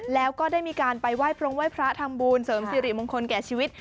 แล้วก็ได้มีการไปไหว้พระไหว้พระทำบุญเสริมสิริมงคลแก่ชีวิต